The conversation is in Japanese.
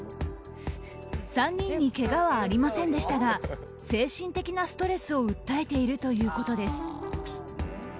３人にけがはありませんでしたが精神的なストレスを訴えているということです。